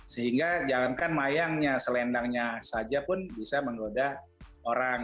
sehingga jangankan mayangnya selendangnya saja pun bisa menggoda orang